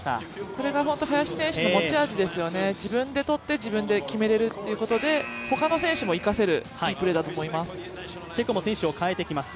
これが本当に林選手の持ち味ですよね、自分で取って、自分で決めれるということでほかの選手も生かせるいいプレーだと思います。